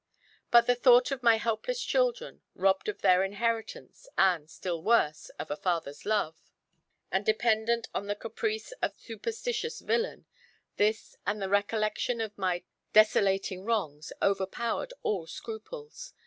But the thought of my helpless children, robbed of their inheritance, and, still worse, of a father's love, and dependant on the caprice of a superstitious villain, this, and the recollection of my desolating wrongs, overpowered all scruples.